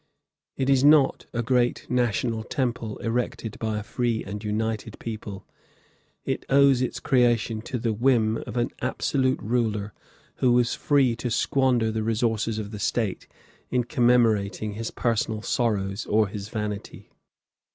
It is not a great national temple erected by a free and united people, it owes its creation to the whim of an absolute ruler who was free to squander the resources of the State in commemorating his personal sorrows or his vanity."